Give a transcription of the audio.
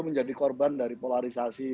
menjadi korban dari polarisasi